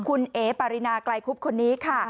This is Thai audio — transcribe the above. คุณเอ๋ปารินาไกลคุบคนนี้ค่ะ